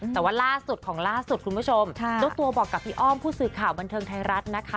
แต่ว่าล่าสุดของล่าสุดคุณผู้ชมเจ้าตัวบอกกับพี่อ้อมผู้สื่อข่าวบันเทิงไทยรัฐนะคะ